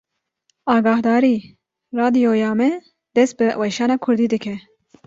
Agahdarî! Radyoya me dest bi weşana Kurdî dike